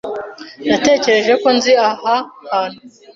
Natekereje ko nzi aha hantu.